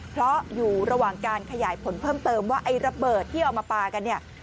เพราะอยู่ระหว่างการขยายผลเพิ่มเติมว่าไอ้ระเบิดที่เอามาปลากันเนี่ย